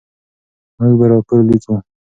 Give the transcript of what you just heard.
موږ به راپور لیکو.